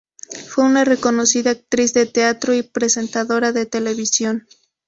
Fue una reconocida actriz de teatro y presentadora de televisión.